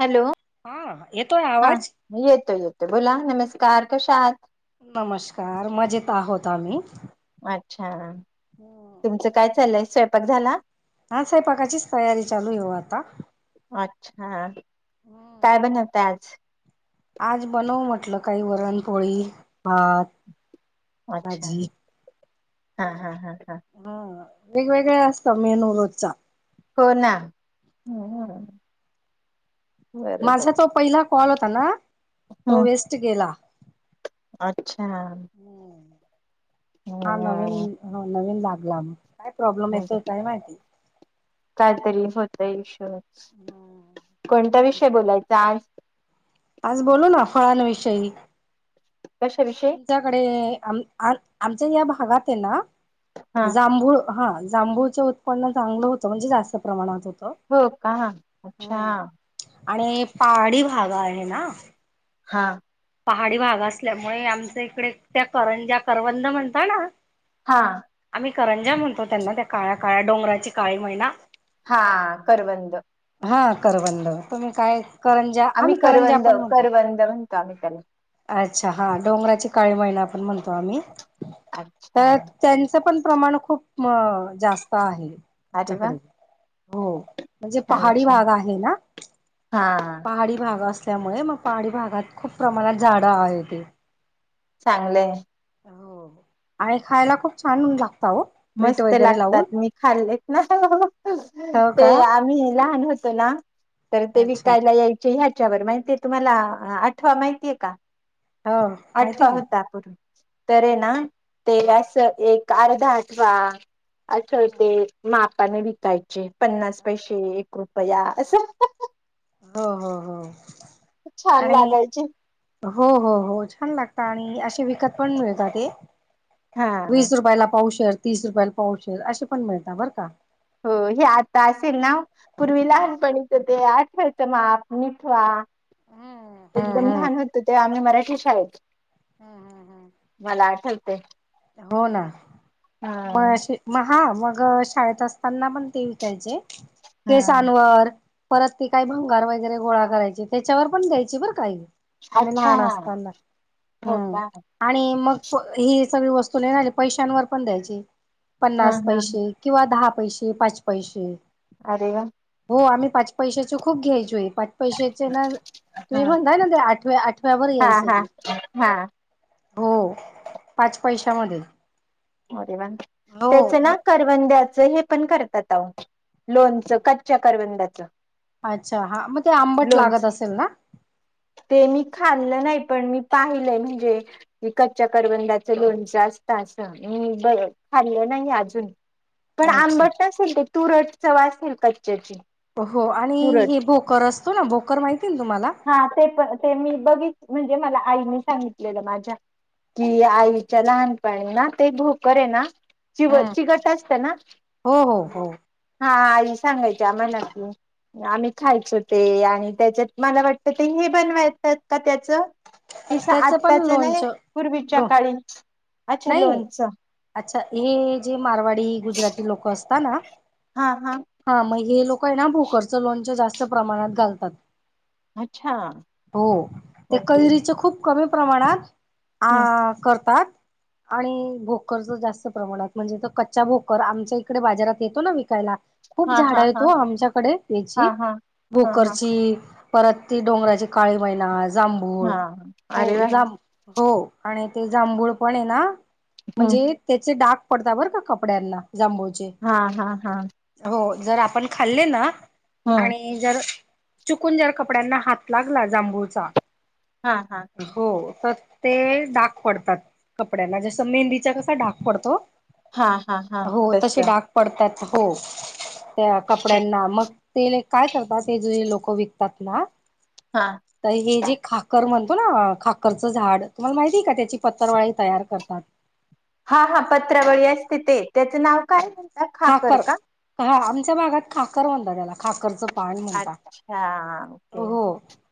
Hello हा येतोय हा आवाज येतोय बोला नमस्कार कशा आहात? नमस्कार मजेत आहोत आम्ही. अच्छा तुमचं काय चाललंय स्वयंपाक झाला? हा स्वयपाकाचीच तयारी चालू आहे ओ आता. अच्छा. काय बनवताय आज? आज बनवू म्हटलं काही वरण पोळी भात अच्छा भाजी हा हा हा हा. वेगवेगळ्या असतं मेनू रोजचा. हो ना. बरोबर माझा तो पहिला कॉल होता. हॅलो! तो हम्म वेस्ट गेला. अच्छा! हा हम्म नवीन हो नवीन लाग लांब काय प्रॉब्लेम येतोय काय माहिती कायतरी होत येईश्वर कोणता विषय बोलायचा आज आज बोलू ना फळांविषयी कशाविषयी आमच्याकडे आमच्या या भागात हाय ना हा जांभूळ हा जांभूळच उत्पन्न चांगलं होतं म्हणजे जास्त प्रमाणात होतं हो का अच्छा हम्म. आणि पहाडी भाग आहे ना हा पहाडी भाग असल्यामुळे आमच्या इकडे त्या करंज्या करवंद म्हणता ना हा आम्ही करंजा म्हणतो त्यांना त्या काळ्या काळ्या डोंगराची काळी महिना हा करवंद हां करवंद तुम्ही काय करंजा आम्ही करंजा करवंद पण म्हणतो. करवंद म्हण म्हणतो आम्ही त्यांनी अच्छा हा डोंगराची काळी मैना पण म्हणतो आम्ही अच्छा तर त्यांच पण प्रमाण खूप जास्त आहे अरे वा तुमच्याकडे हो म्हणजे छान पहाडी छान भाग आहे ना हा पहाडी भाग असत त्यामुळे मग पहाडी भागात खूप प्रमाणात झाड आहेत चांगलंय हो आणि खायला खूप छान लागत हो मीठ मस्त वगैरे लागतात लावून मी खाल्ले ना हो ते का आम्ही लहान हो ना तर ते अच्छा विकायला यायचे ह्या तच्यावर माहितीय तुम्हाला आठवा माहितीय का हो माहिती आठवा ना. होतार् तर ना हो तेरा एक अर्धा आठवा असछं होते माप ने विकायचे पन्नास पैसे एक रुपया असं हो हो हो छान आणि लागायचे हो हो हो छान लागत आणि असे विकत पण मिळतात ते हा वीस रुपयाला पाऊश शेर तीस रुपयाल पा शेर असे पण मिळतात बरं का हो हे आता असेल ना पूर्वी लहानपणीच ते आठ खायचं माप मठवा हम्म एकदम लान होतं ते आम्ही मराठी शाळेत हम्म हम्म हम्म ह हो ना मग मग हा मग शाळेत असताना पण ते विकायचे हा. केसांवर परत ते काही भंगार वगैरे गोळा करायची त्याच्यावर पण द्यायची बरं काही आम्ही अच्छा लहान असताना हो हम्म का. आणि मग प ही सगळी वस्तूली पैशांवर पण द्यायची हा पन्नास हा. पैसे किंवा दहा पैसेे पाच पैसे अरव हो आम्ही पाच पैशाच खूप्यायचोय पाच पैशाचे ना हा तुम्ही म्हणताय ना ते आठव्या आठव्यावरर यायस हा क हा. हा हो पाच पैशामध्ये रे हो त्याच ना करवंद्या हे पण करतात लोच कच्च्या करबंदाच अच्छा हा मग ते आंबट लागत असेल ना ते मी नाही पण मी पाहिलंय म्हणजे क कच्च्या करबंदाच लोणचं असत म ब खाल्लं नाही अजून पण अच्छा आंबट नसेेल ते तुरट च वा असतील कच्च्याची हो आणि तुरट हे भोकर असतो ना भोकर माहिती ना तुम्हाला हा ते पण ते मी बघित म्हणजे मला आईनी सांगितलेलं माझ्या कि आईच्या लहान पहिला ते भूकर ये ना हा चिवट चिगट असतना हो हो हो हा ते सांगायचे आम्हाला कि आम्ही खायचो ते आणि त्याच्यात मला वाटत ते हे बनवायचात का त्याच तस त्याचं पण आत्ताच ना हे लोणचं पूर्वीच्या लो काळी अच्छा नाही लोन अच्छा हे जे मारवाडी गुजराती लोक अस हा ना हा मग हे लोक प हे ना लोणच जास्त प्रमाणात घालतात अच्छा हो ते ओके कैरीच कमी प्रमाणात आ हम्म करतात आणि भोकरच जास्त प्रमाणात म्हणजे तर कच्चा भोकर आमच्या इकडे बाजारात येतो ना विकायला खूप हा झाड हा हा हेतवो आमच्याकडे याची हा हा हा हा भोकरची परत ती डोंगराची काळी मैना आज जांभूळ हा अरे हो वा जाम हो आणि ते जांभूळ पण हे ना म्हणजे त्याचे डाग पडता बर का कपड्यांना जांभूळचे. हा हा हा हो जर आपण खाल्ले ना हम्म आणि जर चुकून जर कपड्यांना हात लागला जांभूळचा हा हा हो त ते डाग पडतात कपड्यांना जसं मेहंदीचा कसा डाग पडतो हा हा हा हो तस तसे डाग पडतात हो त्या कपड्यांना मग ते ल काय करतात ते ज लोक विकतात ना हा तर हे जे खाकर म्हणतो ना खाकरचं झाड तुम्हाला माहिती हे का त्याची पत्तरवाळी तयार करतात हा हा पत्रावळी अस तिथे त्याचं नाव काय खाकर खाखर का? ह आमच्या भागात खाखर म्हणतात त्याला खकरच पी अच्छा ओके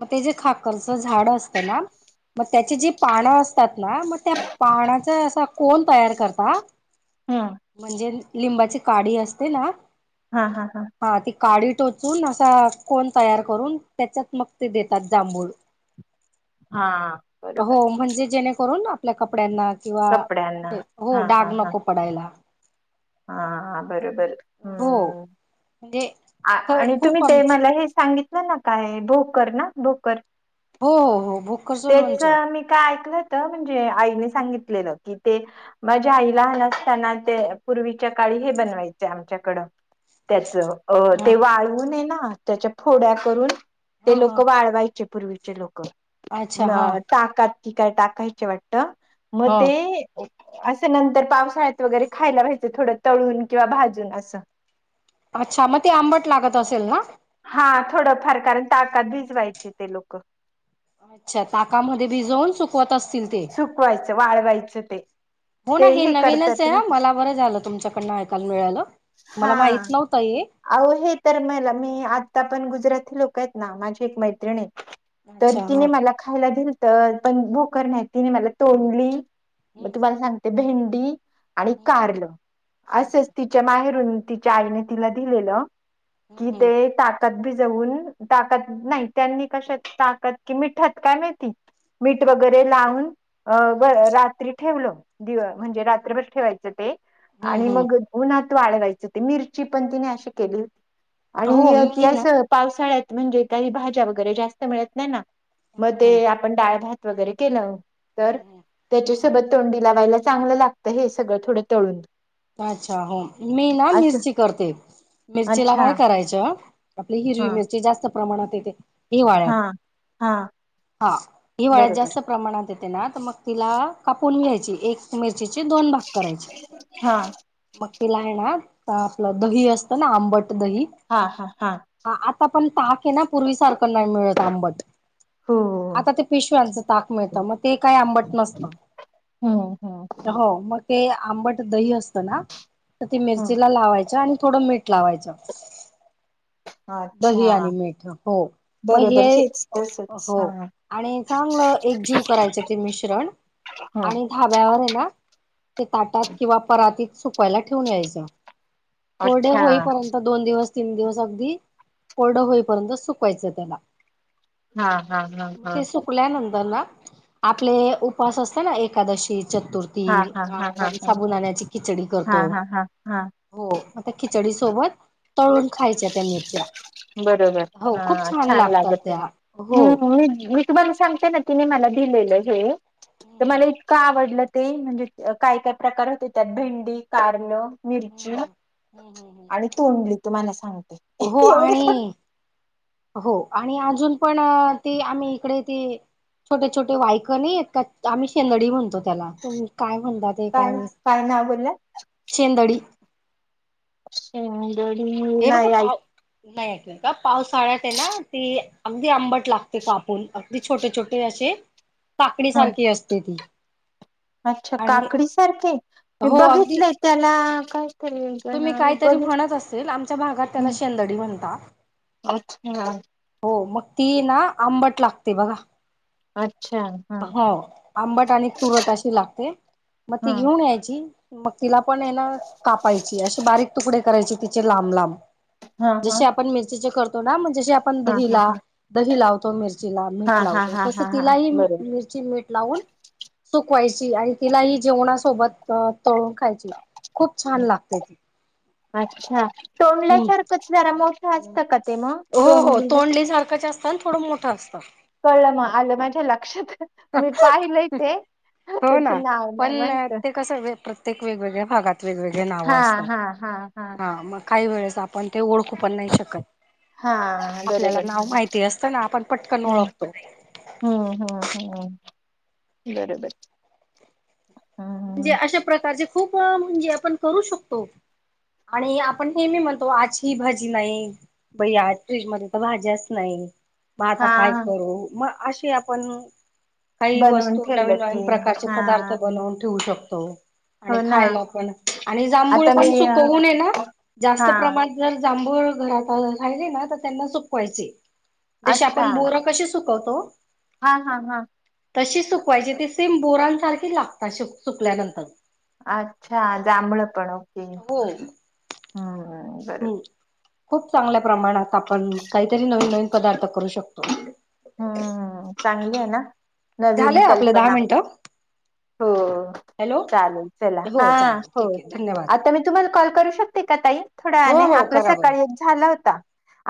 मग ते जे खाकरचं झाड असतं ना मग त्याची जी पानं असतात ना मग त्या पानाचा असा कोण तयार करता हा म्हणजे लिंबाची काढी असते ना हा हा हा काढी टोचून असा कोण तयार करून त्याच्यात मग ते देतात जांभूळ हा बरोबर हो म्हणजे जेणे करून आपल्या कपड्यांना किंवा कपड्यांना कुठे हो हा डाग हा हा नको पडायला हा बरोबर हो हम् म्हणजे ख आणि तुम्ही खूप आम ते मला हे सांगित नाही ना काय भोकर ना भोकर हो हो हो भोकरचं तेच लोणचं मी काय ऐकलं तर म्हणजे आईने सांगितलेलं की ते माझ्या आईला आल असताना ते पूर्वीच्या काळी हे बनवायचं आमच्याकडं त्याच अ ह ते वाळवून हे ना हा त्याच्या फोड्या करून हा ते लोक हा वाळवायचे पूर्वीचे लोक अच्छा म हा चाकाची ती काय टाकायची वाटतं म ह ते असं नंतर पावसाळ्यात वगैरे खायला पाहि ते थोडं तळून किंवा भाजून असं अच्छा मग ते आंबट लागत असेल ना? हा थोडं फार कारण ताकात भिजवायची ते लोक अच्छा ताकामध्ये भिजवून सुकवत असत सुकवायचं वाळवायचं ते हो ना ते हे नवीनच करतात आहे ना, मला बरं झालं तुमच्याकडनं ऐकायला मिळालं मला हा माहित नव्हतं हे आओ हे तर मला मी आता पण गुजरात लोकयत ना माझी एक मैत्रिणे तर अच्छा हा तिने मला खायला दिलतं पण भूख करण्या तिने मला तोंडली म हम्म तुम्हाला सांगते भें डी आणि हम्म कारलं असंच तिच्या माहेरून तिच्या आईने तिला दिलेलं कि हम्म ते टाक. ताक भिजून, ताकत नाही त्यांनी कशाकत ताकात की मीठात काय माहीती मीठ वगैरे लावून अ ब हम्म रात्री ठेवलं. दिव म्हणजे रात्रभर ठेवायचं ते. हम्म आणि हम्म. मग उणात. वाळवायच ते मिरची पण तिने अशी केली हो आणि हो ती मी आस ना पावसाळ्यात म्हणजे काही भाज्या वगैरे जास्त मिळत नाही ना. मग हम्म हम्म. ते आपण डाळ भात वगैरे केलं. तर त्याच्या सोबत तोंडी लावायला चांगलं लागतं हे सगळं थोडं तळून. अच्छा हो मीना असं मिरची करते, मिरचीला अच्छा काय करायचं आपली हिरवी हा मिरची जास्त प्रमाणात येते. हिवाळ्यात हा हा हा हिवाळ्यात बरोबर जास्त प्रमाणात येत. मग तिला कापून घ्याची एक मिर ची चे दोन भाग करायचे. हा मग तिला आहे ना, आपलं दही असतं ना आंबट दही हा हा हा आत आपण ताक ना पूर्वी सारखं नाही मिळत आंबट, हो आता ते पिशव्यांच ताक मिळत, मग ते काही आंबट नसत हम्म हम्म हो मग ते आंबट दही अस तना. तर ती हम्म मिरची लावायच आणि थोडं मीठ लावायचं दही अच्छा आणि मीठ हो मग हे बरोबर हेच तसच हो हा आणि चांगलं एक जीव करायचे ते मिश्रण ह आणि धाब्यावर आहे ना ते ताटात किंवा परातीत सुकवायला ठेवून यायचं कोरडे अच्छा होईपर्यंत दोन दिवस तीन दिवस अगदी कोरडं होईपर्यंत सुकवायचं त्याला हा हा हा मग हा ते सुकल्यानंतर ना आपले उपास असते ना एकादशी हा चतुर्थी हा हा हा आपण हा साबुदाण्या ची खीच खिचडी हा करतो हा हा हा हो खिचडी सोबत हो [unintelligible] तळून खायच्या त्या मिरच्या बरोबर हो हा खूप छान लागतात त्या हो तूमाला सांगते ना तिने मला दिलेलं हे तर मला इतकं आवडलं ते म्हणजे काय काय प्रकार होते त्यात भेंडी कारल मिरची आणि तोंडली तुम्हाला हा हो आणि हो आणि अजून पण ती आम्ही इकडे ते छोटे छोटे वायक नाही आहेत का आम्ही शेंगडी म्हणतो त्याला तुमी काय म्हणतात ते काय म शेंदडी ह हे बघा नाही आ पाव नाही ऐकलं का पावसाळ्यात आहे ना ती अगदी आंबट लागते कापून अगदी छोटे छोटे असे काकडी हा सारखी असते ती अच्छा आणि काकडी सारखे मी हो अगदी बघितलेय त्याला काय तरी वेगळं तुम्ही नाव आहे काहीतरी बघितलं म्हणत असेल आमच्या भागात त्याला शेंदडी म्हणतात अच्छा हो मग ती ना आंबट लागते बघा अच्छा हा हो आंबट आणि तुरट अशी लागते मग ती हा घेऊन यायची मग तिला पण हायना कापायची असे बारीक तुकडे करायची तिचे लांब लांब हा हा जसे आपण मिरचीचे करतो हा म्हणजे आपण हा हा दहीला दही लावतो मिरचीला मीठ हा हा हा लावतो हा तस हा हा तिलाही बरोबर मिरची मीठ लावून सुकवायची आणि तिलाही जेवणासोबत तळून खायची. खूप छान लागते ती अच्छा हम्म तोंडल्यासारखंच जरा मोठी हसतकत. हो हो तोंडली सारखं जास्त पण थोड मोठा असत. कळलं मग आलं माझ्या लक्षात. मी पाहिलंय ते हो त्याच ना नाव नाही पण महटल. ते [unintelligible] वेगळ्या भागात वेगवेगळे नाव असतात हा हा हा मग काही वेळेस आप पण ते ओळखू पण नाही शकत, हा आपल्याला बरोबर नाव माहिती असतना आपण पटकन हम्म ओळखतो. हम्म हम्म हम्म बरोबर. म्हणजे हम्म अशा प्रकारचे खूप म्हणजे आपण करू शकतो आणि आपण नेहमी म्हणतो आज ही भाजी नाही बया आज फ्रीज मध्ये तर भाज्याचं नाही. म आता हा काय करू म अशी आपण नु काही बनवून वस्तू नवीन ठेवलं नवीन की प्रकारचे हा पदार्थ बनवून ठेऊ शकतो. आणि हो ना खायला पण आणि जांभूळ आता मी पण अ, सुकवू नये ना हा जास्त प्रमाण जां फुल घरात [unintelligible] राहिलेना तर त्यांना सुकवायचे. दिशा अच्छा आपण बोर कसे सु को तो हा हा हा तशी सुकवायची ती सेम बोरं तारखेला. अशोक चुकल्यानंतर अच्छा जांभळ पण ओके हो हम्म. परब खूप चांगल्या प्रमाणात आपण काहीतरी नवीन नवीन पदार्थ करू शकतो. हम्म चांगली हाय ना. नवीन झालंय आपलं दहा कल्पना मिनिटं हो हॅलो चालेल चला हा हो चालेल हो ठीक आहे धन्यवाद आता मी तुम्हाला कॉल करू शकते का ताई हो थोड्याने हो आपला करा बरं सकाळी एक झाला होता. आ